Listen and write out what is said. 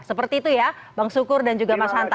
seperti itu ya bang sukur dan juga mas hanta